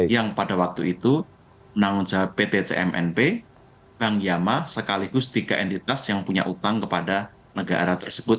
yang pada waktu itu menanggung jawab pt cmnp kang yama sekaligus tiga entitas yang punya utang kepada negara tersebut